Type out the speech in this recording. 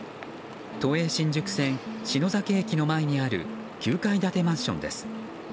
都営新宿線篠崎駅の前にある９階建てマンションです。